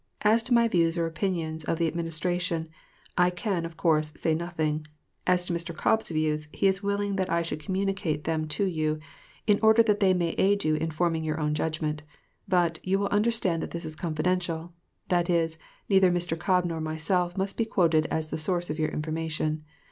As to my views or opinions of the Administration, I can, of course, say nothing. As to Mr. Cobb's views, he is willing that I should communicate them to you, in order that they may aid you in forming your own judgment; but, you will understand that this is confidential that is, neither Mr. Cobb nor myself must be quoted as the source of your information.